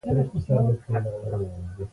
خدای شته ټوله ورځ ځنځیر ته په تدبیر یم